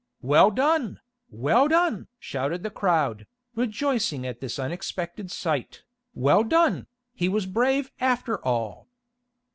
"Well done! Well done!" shouted the crowd, rejoicing at this unexpected sight. "Well done! He was brave after all."